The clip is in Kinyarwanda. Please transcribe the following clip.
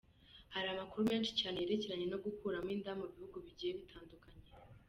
Hari amakuru menshi cyane yerekeranye no gukuramo inda mu bihugu bigeye bitandukanye.